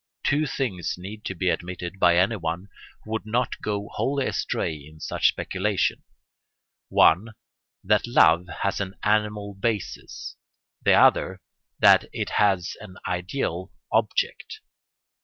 Two things need to be admitted by anyone who would not go wholly astray in such speculation: one, that love has an animal basis; the other, that it has an ideal object.